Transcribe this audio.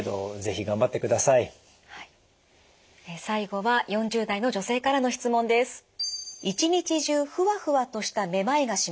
最後は４０代の女性からの質問です。